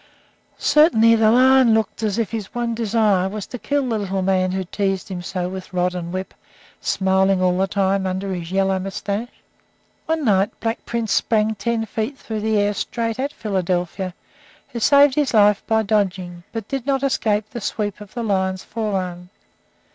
Certainly the lion looked as if his one desire was to kill the little man who teased him so with rod and whip, smiling all the time under his yellow mustache. One night Black Prince sprang ten feet through the air straight at Philadelphia, who saved his life by dodging, but did not escape the sweep of the lion's forearm.